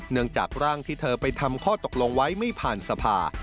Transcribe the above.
จากร่างที่เธอไปทำข้อตกลงไว้ไม่ผ่านสภา